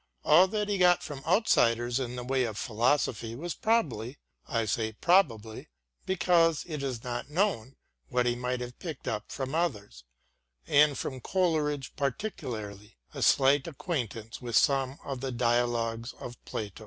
All that he got from outsiders in the way of philosophy was probably — I say probably, be cause it is not known what he might have picked up from others, and from Coleridge particularly — a slight acquaintance with some of the Dialogues of Plato.